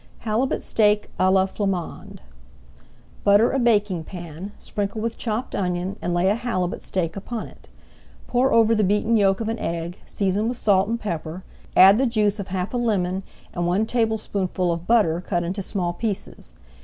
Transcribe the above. HALIBUT STEAK À LA FLAMANDE Butter a baking pan, sprinkle with chopped onion, and lay a halibut steak upon it. Pour over the beaten yolk of an egg, season with salt and pepper, add the juice of half a lemon, and one tablespoonful of butter cut into small pieces.